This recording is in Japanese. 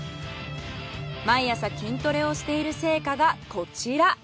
毎朝筋トレをしている成果がこちら。